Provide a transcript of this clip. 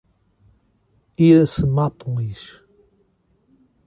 Iracemápolis